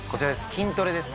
筋トレです